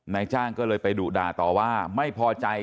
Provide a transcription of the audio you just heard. นายจ้างก็เลยไปดุด่าต่อว่าไม่พอใจ